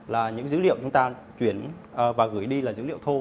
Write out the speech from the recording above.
là những dữ liệu chúng ta chuyển và gửi đi là dữ liệu thô